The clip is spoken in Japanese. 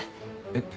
えっ？